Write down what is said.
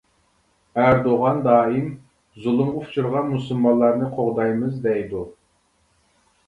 ئەردوغان دائىم زۇلۇمغا ئۇچرىغان مۇسۇلمانلارنى قوغدايمىز دەيدۇ.